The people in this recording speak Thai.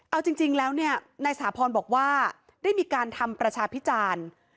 เอาจริงแล้วเนี่ยนายสาพรบอกว่าได้มีการทำประชาพิจารณ์